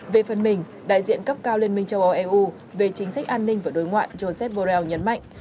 về phần mình đại diện cấp cao liên minh châu âu eu về chính sách an ninh và đối ngoại joseph borrell nhấn mạnh